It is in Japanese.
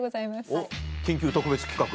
おっ緊急特別企画。